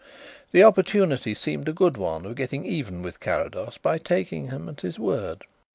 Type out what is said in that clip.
The opportunity seemed a good one of getting even with Carrados by taking him at his word.